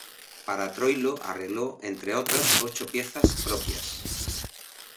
Para Troilo arregló, entre otras, ocho piezas propias.